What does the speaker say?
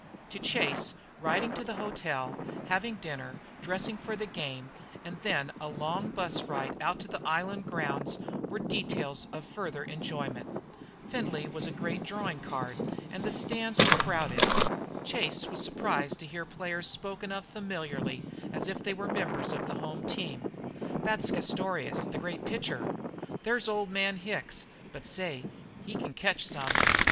To Chase, riding to the hotel, having dinner, dressing for the game, and then a long bus ride out to the island grounds were details of further enjoyment. Findlay was a great drawing card and the stands were crowded. Chase was surprised to hear players spoken of familiarly, as if they were members of the home team. "That's Castorious, the great pitcher." "There's old man Hicks, but say! he can catch some."